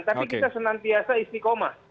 tapi kita senantiasa istikomah